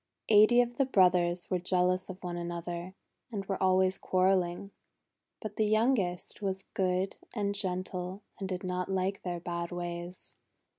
Eighty of the brothers were jealous of one another, and were always quarrel ling. But the youngest was good and gentle and did not like their bad ways.